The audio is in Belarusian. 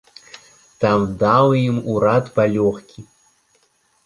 Там даў ім урад палёгкі.